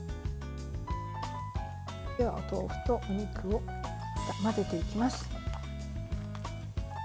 ではお豆腐とお肉を混ぜていきます。